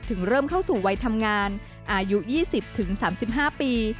เริ่มเข้าสู่วัยทำงานอายุ๒๐๓๕ปี